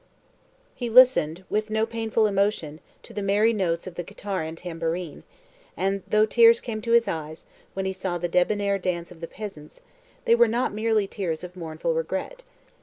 He listened, with no painful emotion, to the merry notes of the guitar and tamborine; and, though tears came to his eyes, when he saw the debonnaire dance of the peasants, they were not merely tears of mournful regret.